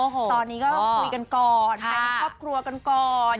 ตอนนี้ก็คุยกันก่อนไปในครอบครัวกันก่อน